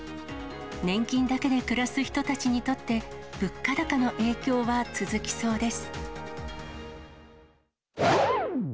年金だけで暮らす人たちにとって、物価高の影響は続きそうです。